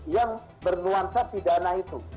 yang bernuansa di dana itu